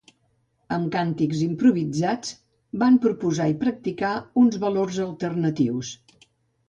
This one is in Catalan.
Amb càntics improvisats, van proposar i practicar uns valors alternatius.